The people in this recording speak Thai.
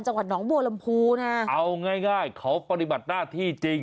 จังหวัดหนองบัวลำพูนะเอาง่ายง่ายเขาปฏิบัติหน้าที่จริง